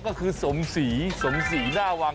อ๋อก็คือสมศรีสมศรีน่าวัง